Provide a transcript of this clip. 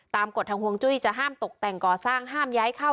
กฎทางฮวงจุ้ยจะห้ามตกแต่งก่อสร้างห้ามย้ายเข้า